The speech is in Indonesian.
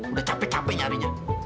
udah capek capek nyarinya